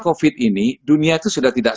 covid ini dunia itu sudah tidak